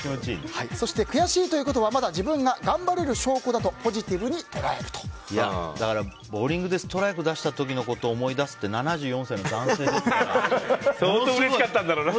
悔しいということはまだ自分が頑張れる証拠だとだからボウリングでストライクを出した時のことを思い出すって７４歳の男性ですからね。